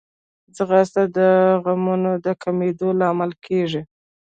ځغاسته د غمونو د کمېدو لامل کېږي